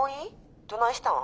どないしたん？